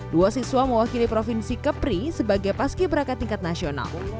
dua siswa mewakili provinsi kepri sebagai paski berakat tingkat nasional